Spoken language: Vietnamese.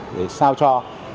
để sao cho